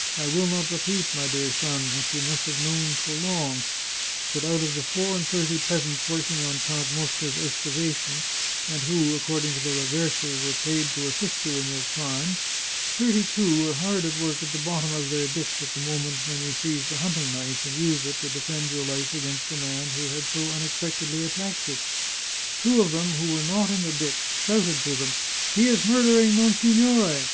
" I will not repeat, my dear son, what you must have known for long — that out of the four and thirty peasants working on Count Mosca's excavation, and who, according to the Raversi, were paid to assist you in your crime, thirty two men were hard at work at the bottom of their ditch at the moment when you seized the hunting knife and used it to defend your life against the man who had so unexpectedly attacked you. Two of them who were not in the ditch shouted to them, * He is murdering monsignore !